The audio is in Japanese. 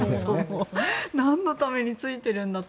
何のためについてるんだと。